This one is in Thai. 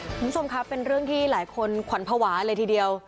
คุณผู้ชมครับเป็นเรื่องที่หลายคนขวัญภาวะเลยทีเดียว